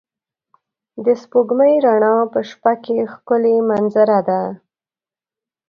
د سپوږمۍ رڼا په شپه کې ښکلی منظره ده.